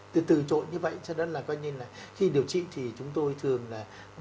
từ từ trộn như vậy cho đến là coi như là khi điều trị thì chúng tôi thường là